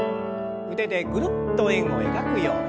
腕でぐるっと円を描くように。